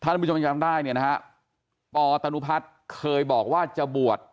ท่านผู้ชมยังจำได้เนี่ยนะฮะปตนุพัฒน์เคยบอกว่าจะบวช